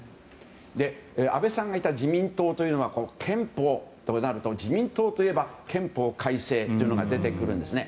安倍さんがいた自民党というのは憲法となると自民党といえば憲法改正というのが出てくるんですね。